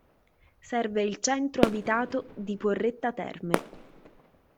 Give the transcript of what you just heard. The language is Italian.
Serve il centro abitato di Porretta Terme.